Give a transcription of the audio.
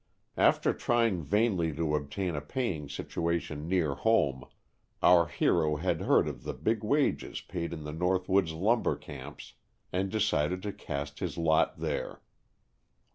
After trying vainly to obtain a paying situation near home, our hero had heard of the big wages paid in the North Wood's lumber camps and decided to cast his lot there.